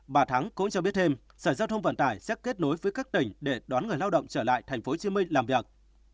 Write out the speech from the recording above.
bà thắng cũng cho biết thêm sở giao thông vận tải sẽ kết nối với các tỉnh để đón người lao động trở lại tp hcm làm việc